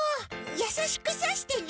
やさしくさしてね。